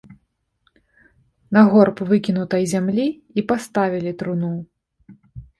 На горб выкінутай зямлі і паставілі труну.